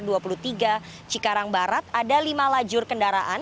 di dua puluh tiga cikarang barat ada lima lajur kendaraan